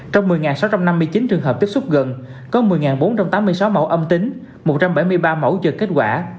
trong một mươi sáu trăm năm mươi chín trường hợp tiếp xúc gần có một mươi bốn trăm tám mươi sáu mẫu âm tính một trăm bảy mươi ba mẫu chờ kết quả